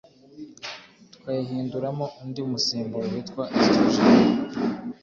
tukayihinduramo undi musemburo witwa estrogene